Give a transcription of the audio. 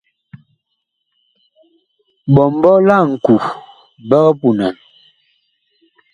Ɓɔmbɔ la ŋku big punan.